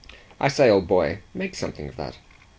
I say, old boy, make something of that."